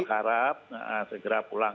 kita berharap segera pulang